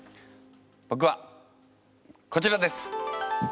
ぼくはこちらです。